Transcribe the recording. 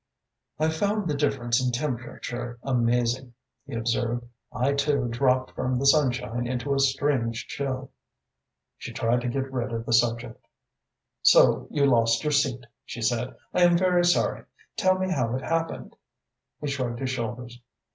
"I found the difference in temperature amazing," he observed. "I, too, dropped from the sunshine into a strange chill." She tried to get rid of the subject. "So you lost your seat," she said. "I am very sorry. Tell me how it happened?" He shrugged his shoulders.